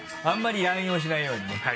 あんまり乱用しないようにね。